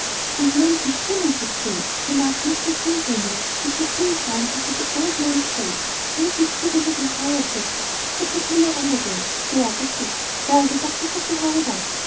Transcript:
"And none too soon, I should say," remarked Mr. King, grimly, with a keen glance into the old man's face. "Raise his feet a little higher, Jasper; put a pillow under them; there, that's it. Well, the doctor should be hurried up."